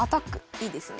いいですね。